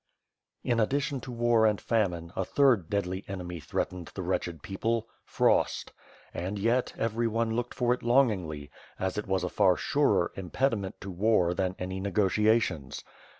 In addition to war and famine, a third deadly enemy threat ened the wretched people — frost; and, yet, everyone looked for it longingly; as it was a far surer impediment to war than any negotiations.